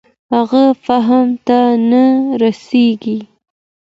هغه فهم ته نه رسېږي.